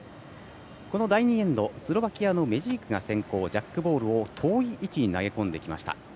この第２エンドスロバキアのメジークが先攻ジャックボールを遠い位置に投げ込んできました。